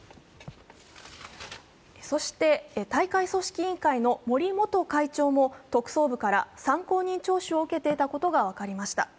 そして大会組織委員会の森元会長も特捜部から参考人聴取を受けていたことが分かりました。